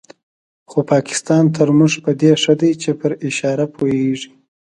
خو پاکستان تر موږ په دې ښه دی چې پر اشاره پوهېږي.